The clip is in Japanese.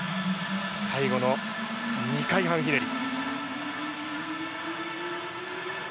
最後の２回半ひねり。